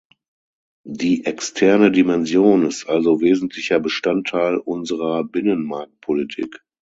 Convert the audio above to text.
Die externe Dimension ist also wesentlicher Bestandteil unserer Binnenmarktpolitik.